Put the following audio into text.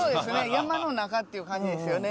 山の中っていう感じですよね